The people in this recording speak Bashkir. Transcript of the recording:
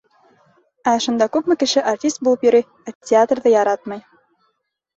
Ә ошонда күпме кеше артист булып йөрөй, ә театрҙы яратмай.